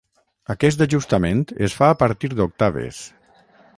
Aquest ajustament es fa a partir d'octaves.